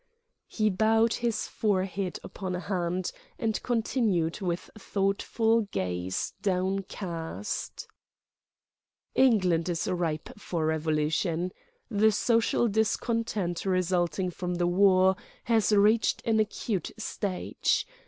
He bowed his forehead upon a hand and continued with thoughtful gaze downcast: "England is ripe for revolution. The social discontent resulting from the war has reached an acute stage.